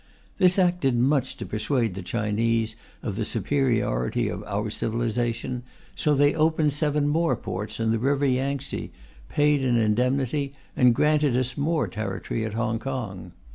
This act did much to persuade the Chinese of the superiority of our civilization so they opened seven more ports and the river Yangtze, paid an indemnity and granted us more territory at Hong Kong.